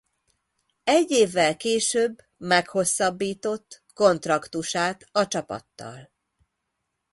Egy évvel később meghosszabbított kontraktusát a csapattal.